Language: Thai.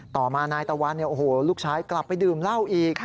ต่อมานายตะวันลูกชายกลับไปดื่มเหล้าอีก